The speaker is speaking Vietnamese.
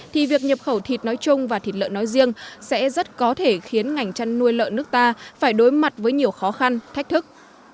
thì việc nhập khẩu thịt nói chung và thịt lợn nói riêng sẽ rất có thể khiến ngành chăn nuôi lợn nước ta phải đối mặt với nhiều khó khăn thách thức